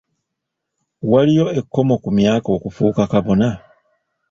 Waliyo ekkomo ku myaka okufuuka kabona?